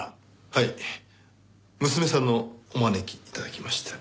はい娘さんのお招き頂きまして。